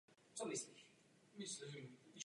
Víme tedy, že toto je mimořádně závažná otázka.